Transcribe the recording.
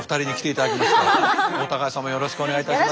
慎吾ちゃんもよろしくお願いいたします。